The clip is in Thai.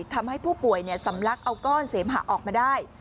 ทำให้ผู้ป่วยสำลักเอาก้อนเสมหะออกมาได้